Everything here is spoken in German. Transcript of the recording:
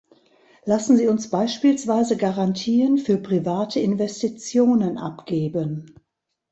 Lassen Sie uns beispielsweise Garantien für private Investitionen abgeben.